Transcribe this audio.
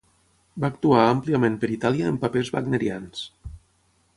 Va actuar àmpliament per Itàlia en papers wagnerians.